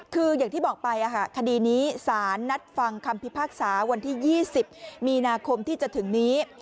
คืออย่างที่บอกไปคดีนี้สารนัดฟังคำพิพากษาวันที่๒๐มีนาคมที่จะถึงนี้